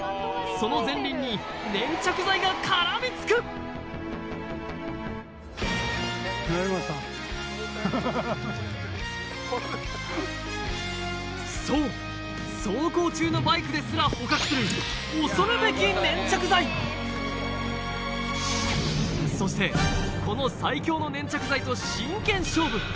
その前輪に粘着剤が絡みつくハハハハそう走行中のバイクですら捕獲するそしてこの最強の粘着剤と真剣勝負